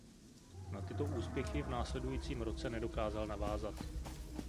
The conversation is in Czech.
Na tyto úspěchy v následujícím roce nedokázal navázat.